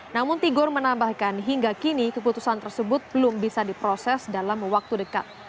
namun tigor menambahkan hingga kini keputusan tersebut belum bisa diproses dalam waktu dekat